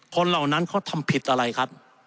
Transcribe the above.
เหล่านั้นเขาทำผิดอะไรครับ